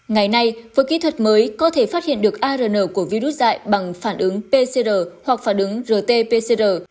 ngày nay với kỹ thuật mới có thể phát hiện được arn của virus dạy bằng phản ứng pcr hoặc phản ứng rt pcr